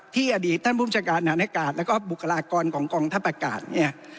ที่อดีตท่านบุญชาติธรรมนาฬิกาศแล้วก็บุคลากรของกองทรัพย์ประการเนี่ย